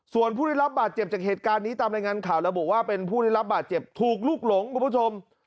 ส่วนผู้ได้รับบาดเจ็บจากเหตุการณ์นี้ตามรายงานข่าวระบุว่าเป็นผู้ได้รับบาดเจ็บถูกลูกหลงคุณผู้ชม